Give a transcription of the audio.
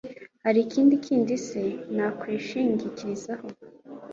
hari ikindi kindi se nakwishingikirizaho